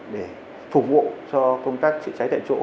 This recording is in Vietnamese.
để phục vụ cho công tác trị cháy tại chỗ